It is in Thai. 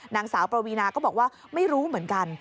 นางสาวปวีนาก็บอกว่าไม่รู้เหมือนกัน